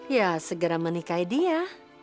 ya segera menikahi dia